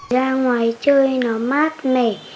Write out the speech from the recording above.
ra ngoài chơi nó mát mẻ